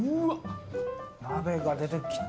鍋が出てきた。